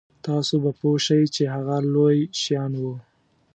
تاسو به پوه شئ چې هغه لوی شیان وو.